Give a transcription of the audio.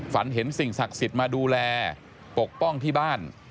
ฝันเห็นสิ่งศักดิ์สิทธิ์มาดูแลปกป้องที่บ้าน